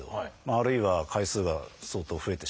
あるいは回数が相当増えてしまう。